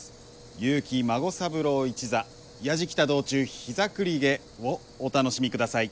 結城孫三郎一座「弥次喜多道中膝栗毛」をお楽しみください。